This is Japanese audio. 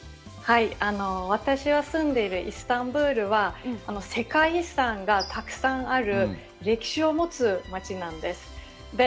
私が住んでいるイスタンブールは、世界遺産がたくさんある、歴史を持つ街なんです。